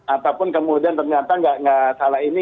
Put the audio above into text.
ataupun kemudian ternyata nggak salah ini